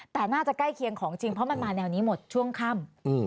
แต่น่าจะใกล้เคียงของจริงเพราะมันมาแนวนี้หมดช่วงค่ำ